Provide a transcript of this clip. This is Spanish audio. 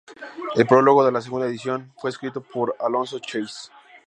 El prólogo de la segunda edición fue escrito por Alfonso Chase.